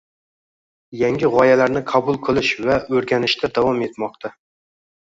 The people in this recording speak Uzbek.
yangi g‘oyalarni qabul qilish va o‘rganishda davom etmoqda.